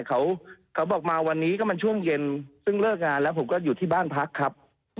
เขาบอกมาวันนี้ก็มันช่วงเย็นซึ่งเลิกงานแล้วผมก็อยู่ที่บ้านพักครับ